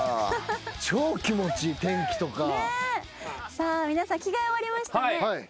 さあ皆さん着替え終わりましたね。